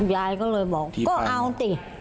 ยายก็เลยบอกก็เอาสิ